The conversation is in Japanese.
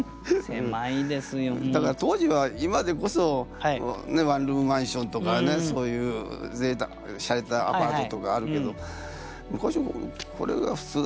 だから当時は今でこそワンルームマンションとかねそういうしゃれたアパートとかあるけど昔はこれが普通だったんじゃないか？